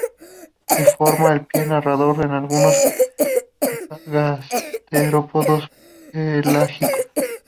Y forma el pie nadador de algunos gasterópodos pelágicos.